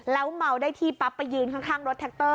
แล้วเมาได้ที่ปั๊บไปยืนข้างรถแท็กเตอร์